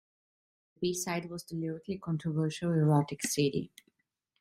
The B-side was the lyrically controversial "Erotic City".